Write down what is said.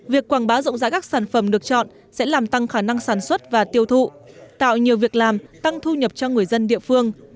việc quảng bá rộng rãi các sản phẩm được chọn sẽ làm tăng khả năng sản xuất và tiêu thụ tạo nhiều việc làm tăng thu nhập cho người dân địa phương